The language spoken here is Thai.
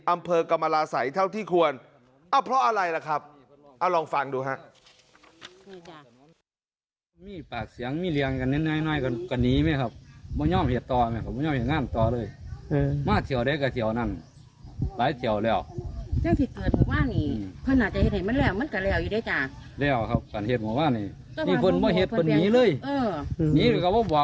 อำเภอกรรมราศัยเท่าที่ควรอ้าวเพราะอะไรล่ะครับ